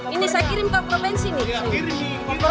ini saya kirim ke provinsi nih